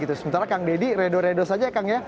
sementara kang deddy redo redo saja kang ya